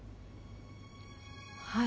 はい。